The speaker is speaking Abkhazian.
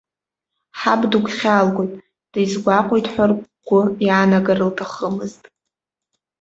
Ҳаб дыгәхьаалгоит, дизгәаҟуеит ҳәа ргәы иаанагар лҭахымызт.